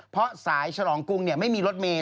เพราะสายฉลองกรุงไม่มีรถเมย